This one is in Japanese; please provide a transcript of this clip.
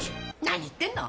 何言ってんの！